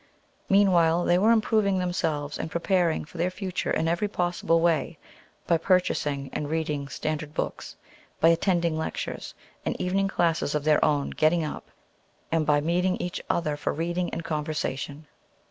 Meanwhile they were improving themselves and preparing for their future in every possible way, by purchasing and reading standard books, by attending lectures, and evening classes of their own getting up, and by meeting each other for reading and conversation.